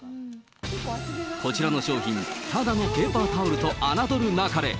こちらの商品、ただのペーパータオルと侮るなかれ。